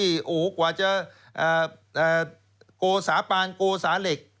โอ้โหกว่าจะโกสาปานโกสาเหล็ก